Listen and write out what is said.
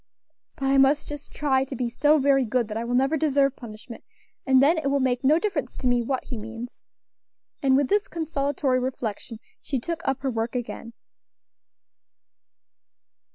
But I must just try to be so very good that I will never deserve punishment, and then it will make no difference to me what he means." And with this consolatory reflection she took up her work again.